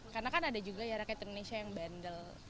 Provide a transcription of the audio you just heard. karena kan ada juga ya rakyat indonesia yang bandel